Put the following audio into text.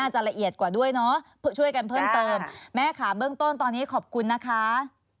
ช่วยกันเพิ่มเติมแม่ขามเนิ่งต้นตอนนี้ขอบคุณนะคะ